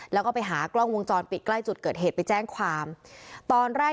แล้วก็ไปหากล้องวงจรปิดใกล้จุดเกิดเหตุไปแจ้งความตอนแรก